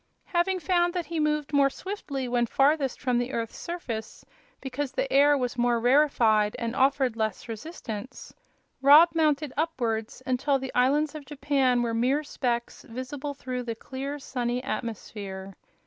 Having found that he moved more swiftly when farthest from the earth's surface, because the air was more rarefied and offered less resistance, Rob mounted upwards until the islands of Japan were mere specks visible through the clear, sunny atmosphere.